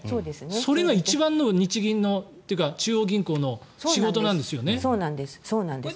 それが一番の日銀のというか中央銀行のそうなんです。